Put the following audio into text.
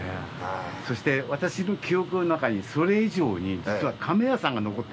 そして私の記憶の中にそれ以上に実はかめやさんが残ってるんですよ。